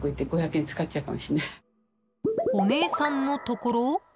お姉さんのところ？